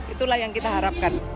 itulah yang kita harapkan